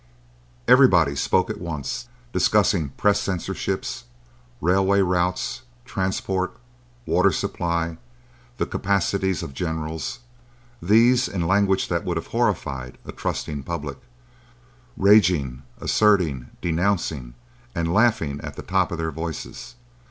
Everybody spoke at once, discussing press censorships, railway routes, transport, water supply, the capacities of generals,—these in language that would have horrified a trusting public,—ranging, asserting, denouncing, and laughing at the top of their voices.